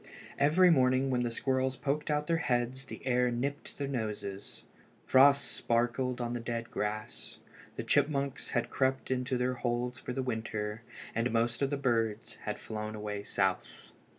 Every morning when the squirrels poked out their heads the air nipped their noses. Frost sparkled on the dead grass. The chipmunks had crept into their holes for the winter, and most of the birds had flown away south.